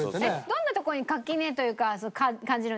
どんなとこに垣根というか感じるんですか？